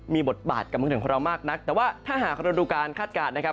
มีบทบาทกับเมืองไทยของเรามากนักแต่ว่าถ้าหากเราดูการคาดการณ์นะครับ